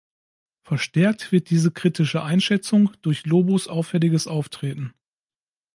Verstärkt wird diese kritische Einschätzung durch Lobos auffälliges Auftreten.